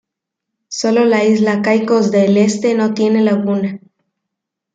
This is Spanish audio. Sólo la isla Caicos del Este no tiene laguna.